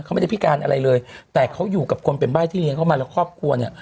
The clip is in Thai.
เขาไม่ได้พิการอะไรเลยแต่เขาอยู่กับคนเป็นใบ้ที่เลี้ยงเข้ามาแล้วครอบครัวเนี่ย